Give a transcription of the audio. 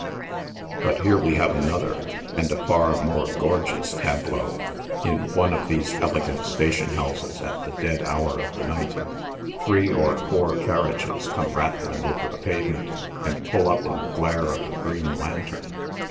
But here we have another, and a far more gorgeous tableau, in 40 NIGHT SIDE OF NEW YORK. one of these elegant station houses at the dead hour of the night. Three or four carriages come rattling over the pavement, and pull up in the glare of the green lantern.